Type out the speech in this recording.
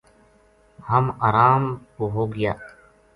ہم ارام پو ہو گیا